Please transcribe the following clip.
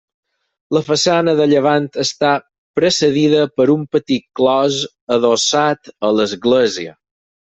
La façana de llevant està precedida per un petit clos adossat a l'església.